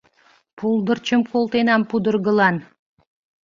Пулдырчым колтенам пудыргылан.